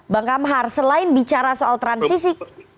bang kamhar selain bicara soal transisi